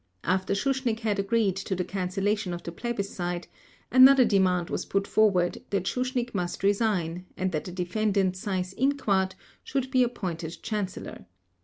After Schuschnigg had agreed to the cancellation of the plebiscite, another demand was put forward that Schuschnigg must resign, and that the Defendant Seyss Inquart should be appointed Chancellor.